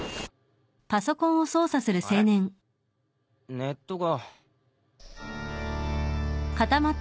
ネットが。